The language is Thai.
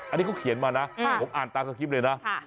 อันนี้เขาเขียนมานะผมอ่านตามสคริปต์เลยนะ